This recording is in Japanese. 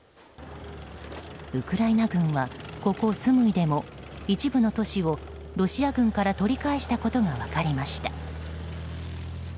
ウクライナ軍は、ここスムイでも一部の都市をロシア軍から取り返したことが分かりました。